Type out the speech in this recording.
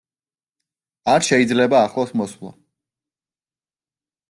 არ შეიძლება ახლოს მოსვლა!